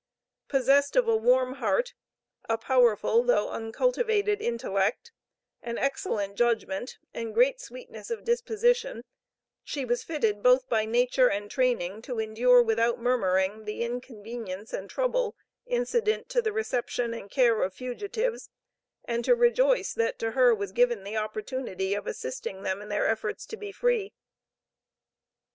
Possessed of a warm heart, a powerful, though uncultivated intellect, an excellent judgment, and great sweetness of disposition, she was fitted both by nature and training to endure without murmuring the inconvenience and trouble incident to the reception and care of fugitives and to rejoice that to her was given the opportunity of assisting them in their efforts to be free.